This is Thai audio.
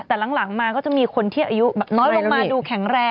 แต่หลังมาก็จะมีคนที่อายุแบบน้อยลงมาดูแข็งแรง